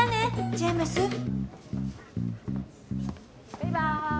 バイバーイ！